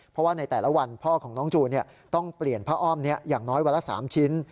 เพราะว่าในแต่ละวันพ่อของน้องจูนต้องเปลี่ยนผ้าอ้อมนี้อย่างน้อยวันละ๓ชิ้น